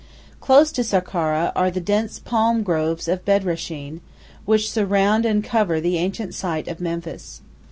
Close to Sakkara are the dense palm groves of Bedrashen, which surround and cover the site of ancient Memphis.